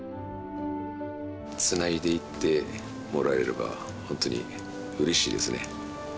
つないでいってもらえれば、本当にうれしいですね。